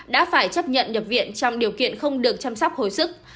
đã phải chấp nhận nhập viện trong điều kiện không được chăm sóc hồi sức